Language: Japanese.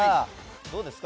どうですか？